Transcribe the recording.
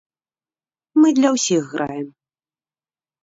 Мы для ўсіх граем.